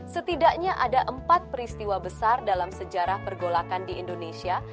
setidaknya ada empat peristiwa besar dalam sejarah pergolakan di indonesia